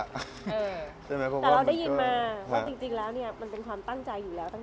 แต่เราได้ยินมาว่าจริงแล้วเนี่ยมันเป็นความตั้งใจอยู่แล้ว